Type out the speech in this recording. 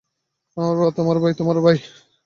আমার বাবা -- তোমার ভাই, তোমার ভাই!